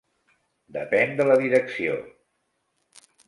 Depèn de la Direcció.